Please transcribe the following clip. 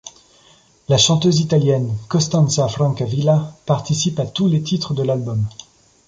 La chanteuse italienne Costanza Francavilla participe à tous les titres de l'album.